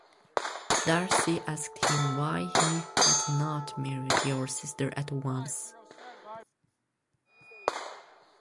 Darcy asked him why he had not married your sister at once.